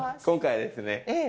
今回ですね